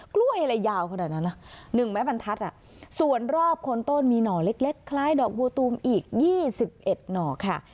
กล้วยอะไรยาวขนาดนั้นนะ๑ไม้บรรทัศน์ส่วนรอบคนต้นมีหน่อเล็กคล้ายดอกบัวตูมอีก๒๑หน่อค่ะ